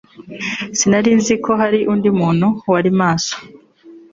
Sinari nzi ko hari undi muntu wari maso.